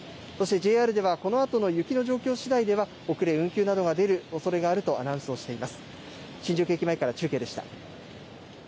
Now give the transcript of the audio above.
ＪＲでは、このあとの雪の状況しだいでは遅れ、運休が出るおそれがあるとアナウンスをしています。